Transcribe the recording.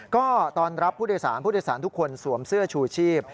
ก็ตอนรับผู้โดยสารผู้โดยสารทุกคนสวมเสื้อชูชีพ